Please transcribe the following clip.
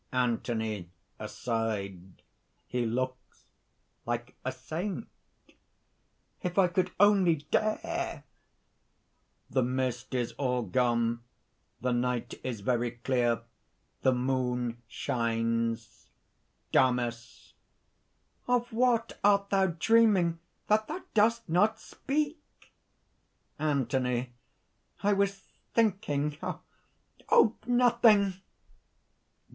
ANTHONY (aside). "He looks like a saint! If I could only dare...." (The mist is all gone. The night is very clear. The moon shines.) DAMIS. "Of what art thou dreaming, that thou dost not speak?" ANTHONY. "I was thinking.... Oh! nothing!"